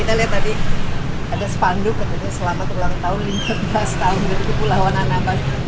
ada selama lima belas tahun dari kepulauan anambas